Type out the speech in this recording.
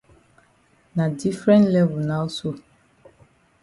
Na different level now so.